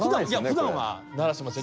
ふだんは鳴らしません。